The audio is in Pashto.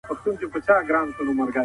تخیل په داستان کې رنګ راولي.